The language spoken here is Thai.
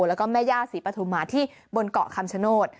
แล้วก็แม่ย่าศรีปฐุมาที่บนเกาะคำชโนธ